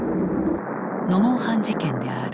ノモンハン事件である。